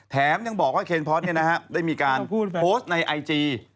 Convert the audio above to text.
แถมยังบอกว่าเคนพอสต์เนี่ยนะครับได้มีการโพสต์ในไอจี